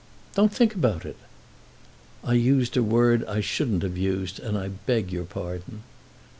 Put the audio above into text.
"Don't think about it." "I used a word I shouldn't have used, and I beg your pardon."